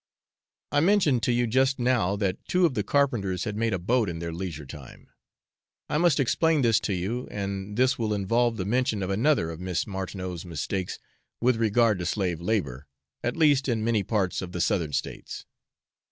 I mentioned to you just now that two of the carpenters had made a boat in their leisure time. I must explain this to you, and this will involve the mention of another of Miss Martineau's mistakes with regard to slave labour, at least in many parts of the Southern States.